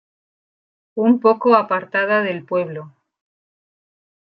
Un poco apartada del pueblo.